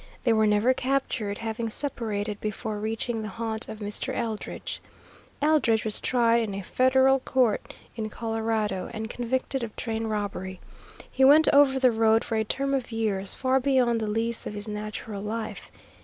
They were never captured, having separated before reaching the haunt of Mr. Eldridge. Eldridge was tried in a Federal court in Colorado and convicted of train robbery. He went over the road for a term of years far beyond the lease of his natural life.